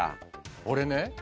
俺ね